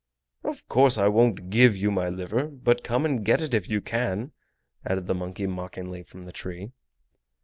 "Of course, I won't GIVE you my liver, but come and get it if you can!" added the monkey mockingly from the tree.